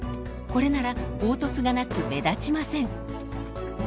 これなら凹凸がなく目立ちません。